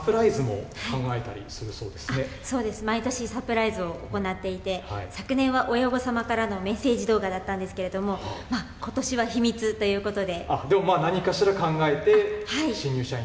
サプライズも行われたりするそうです、毎年、サプライズを行っていて、昨年は親御様からのメッセージ動画だったんですけれども、ことしは秘密ということで。